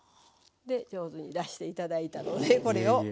で上手に出して頂いたのでこれを。